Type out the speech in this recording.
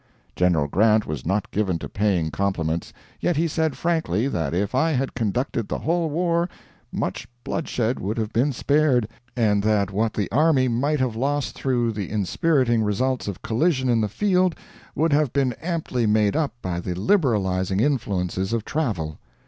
General Grant was not given to paying compliments, yet he said frankly that if I had conducted the whole war much bloodshed would have been spared, and that what the army might have lost through the inspiriting results of collision in the field would have been amply made up by the liberalizing influences of travel.